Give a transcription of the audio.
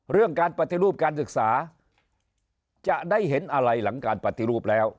เรื่องการปฏิรูปการศึกษาจะได้เห็นอะไรหลังการปฏิรูปแล้ว